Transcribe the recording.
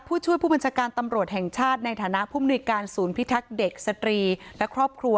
ผู้ช่วยผู้บัญชาการตำรวจแห่งชาติในฐานะผู้มนุยการศูนย์พิทักษ์เด็กสตรีและครอบครัว